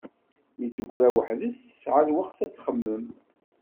Mi d-teggra weḥds tesɛa lweqt ad txemmem.